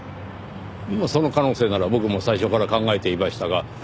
その可能性なら僕も最初から考えていましたが。